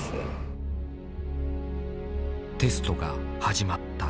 テストが始まった。